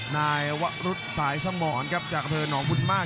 นายวะรุดสายสมรครับจากอำเภอหนองบุญมาก